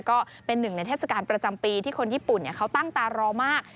ก็เป็นหนึ่งในเทศกาลประจำปีที่คนญี่ปุ่นเขาตั้งตารอมาก